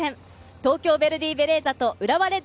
東京ヴェルディベレーザと浦和レッズ